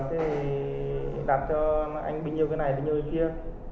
thì em bảo đấy ơn thế được thì đặt cho anh bình như cái này bình như cái kia